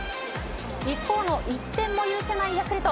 一方の１点も許せないヤクルト。